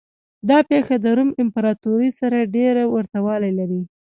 دا پېښه د روم امپراتورۍ سره ډېر ورته والی لري.